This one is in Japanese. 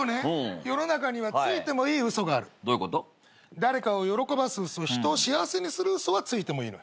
誰かを喜ばす嘘と人を幸せにする嘘はついてもいいのよ。